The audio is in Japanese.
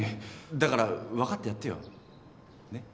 だから分かってやってよねっ。